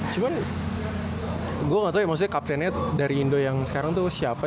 cuman gue gak tau ya maksudnya kaptennya dari indo yang sekarang tuh siapa